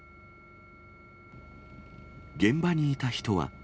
現場にいた人は。